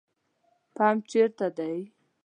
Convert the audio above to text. پمپ چیرته ده؟